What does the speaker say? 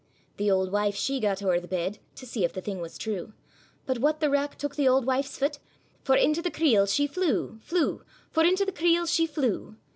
The auld wife she gat owre the bed, To see if the thing was true; But what the wrack took the auld wife's fit? For into the creel she flew, flew; For into the creel she flew.